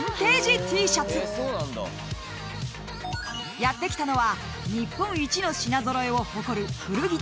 ［やって来たのは日本一の品揃えを誇る古着店］